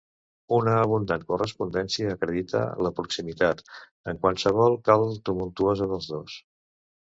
Una abundant correspondència acredita la proximitat, en qualsevol cal tumultuosa, dels dos.